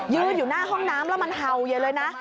ยืนอยู่หน้าห้องน้ำแล้วมันเห่าใหญ่เลยนะ